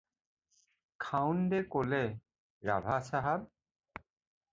খাউণ্ডে ক'লে- "ৰাভা চাহাব।"